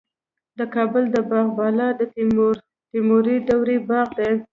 د کابل د باغ بالا د تیموري دورې باغ دی